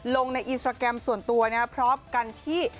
ลงในอินสตราแกรมส่วนตัวนะครับพร้อมกันที่